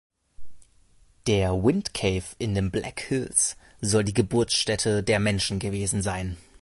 Der Wind Cave in den Black Hills soll die Geburtsstätte der Menschen gewesen sein.